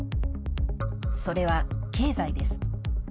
それは経済です。